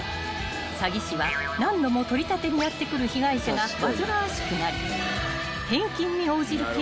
［詐欺師は何度も取り立てにやって来る被害者が煩わしくなり］